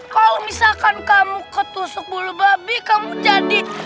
kalau misalkan kamu ketusuk bulu babi kamu jadi